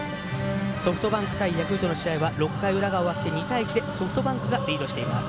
ソフトバンク対ヤクルトの試合は６回裏が終わって２対１でソフトバンクがリードしています。